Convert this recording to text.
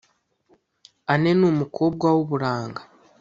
Anne ni umukobwa w’uburanga